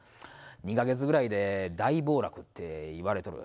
２か月くらいで大暴落って言われとる。